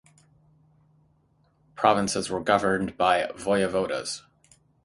Provinces were governed by "voyevodas".